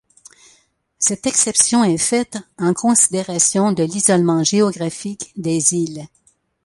Cette exception est faite en considération de l'isolement géographique des Îles.